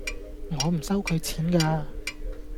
我唔收佢錢架